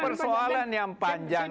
persoalan yang panjang